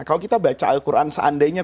kalau kita baca al quran seandainya